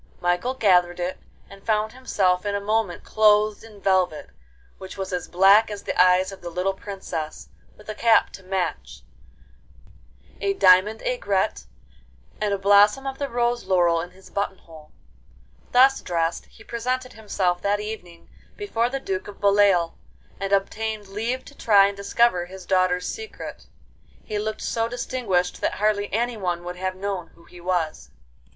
Michael gathered it, and found himself in a moment clothed in velvet, which was as black as the eyes of the little Princess, with a cap to match, a diamond aigrette, and a blossom of the rose laurel in his button hole. Thus dressed, he presented himself that evening before the Duke of Beloeil, and obtained leave to try and discover his daughters' secret. He looked so distinguished that hardly anyone would have known who he was.